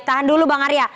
tahan dulu bang arya